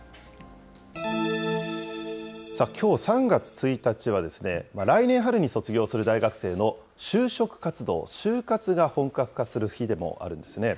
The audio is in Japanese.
きょう３月１日は、来年春に卒業する大学生の就職活動・就活が本格化する日でもあるんですね。